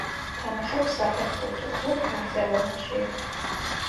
თამაშობს საფეხბურთო კლუბ „ბარსელონაში“.